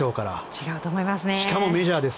違うと思いますね。